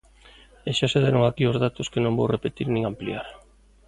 E xa se deron aquí os datos que non vou repetir nin ampliar.